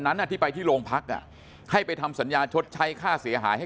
นั้นที่ไปที่โรงพักอ่ะให้ไปทำสัญญาชดใช้ค่าเสียหายให้